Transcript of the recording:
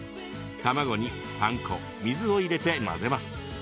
卵にパン粉、水を入れて混ぜます。